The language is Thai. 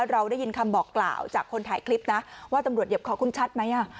เราได้ยินคำบอกกล่าวจากคนถ่ายคลิปนะว่าตำรวจเหยียบคอคุณชัดไหม